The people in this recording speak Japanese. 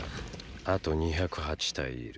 あと２０８体いる。